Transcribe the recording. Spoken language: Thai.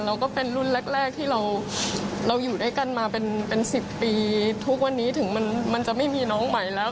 ก็เป็นรุ่นแรกที่เราอยู่ด้วยกันมาเป็น๑๐ปีทุกวันนี้ถึงมันจะไม่มีน้องใหม่แล้ว